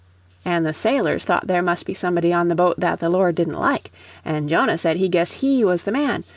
An' the sailors thought there must be somebody on the boat that the Lord didn't like. An' Jonah said he guessed HE was the man.